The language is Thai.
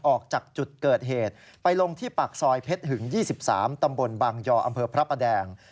ออกจากจุดเกิดเหตุไปลงที่ปากซอยเพชรหึง๒๓ตำบลบางยออำเภอพระประแดง